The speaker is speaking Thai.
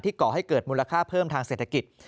ก่อให้เกิดมูลค่าเพิ่มทางเศรษฐกิจ